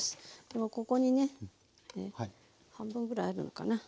でもここにね半分ぐらいあるのかな。